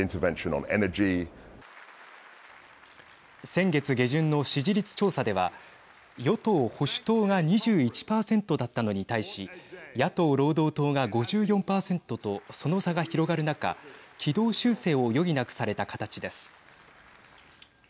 先月下旬の支持率調査では与党・保守党が２１％だったのに対し野党・労働党が５４％とその差が広がる中、軌道修正を余儀なくされた形です。